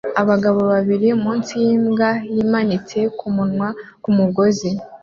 Abagabo babiri munsi yimbwa yimanitse kumunwa kumugozi